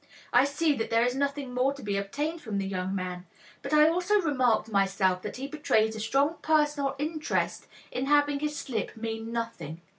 I see that there is nothing more to be obtained from the young man, but I also remark to myself that he betrays a strong personal interest in having his slip mean nothing.